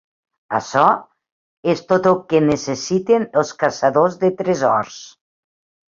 Açò és tot el que necessiten els caçadors de tresors.